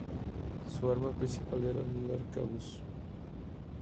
Su arma principal era el arcabuz.